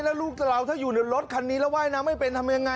แล้วลูกเราถ้าอยู่ในรถคันนี้แล้วว่ายน้ำไม่เป็นทำยังไง